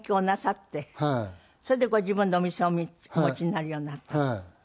それでご自分でお店をお持ちになるようになった。